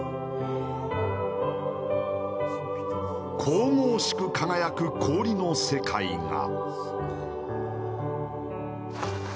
神々しく輝く氷の世界が。